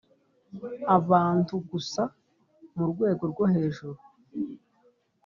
Abantu Gusa Mu Rwego Rwohejuru